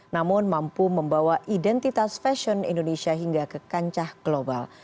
namun mampu membawa identitas fashion indonesia hingga ke kancah global